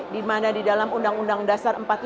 dimana di dalam undang undang dasar